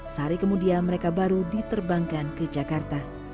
sehari kemudian mereka baru diterbangkan ke jakarta